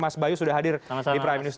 mas bayu sudah hadir di prime news